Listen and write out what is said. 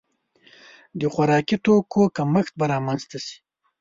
د خوراکي توکو کمښت به رامنځته شي.